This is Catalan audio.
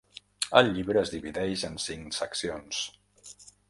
El llibre es divideix en cinc seccions.